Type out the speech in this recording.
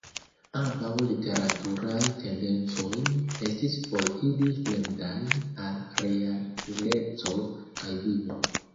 Ambaŭ literaturaj tendencoj estis por ili fremdaj al realeco kaj vivo.